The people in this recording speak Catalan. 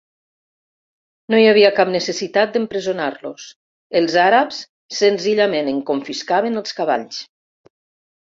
No hi havia cap necessitat d'empresonar-los: els àrabs senzillament en confiscaven els cavalls.